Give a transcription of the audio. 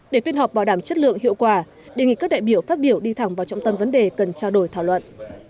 để phiên họp bảo đảm chất lượng hiệu quả đề nghị các đại biểu phát biểu đi thẳng vào trọng tâm vấn đề cần trao đổi thảo luận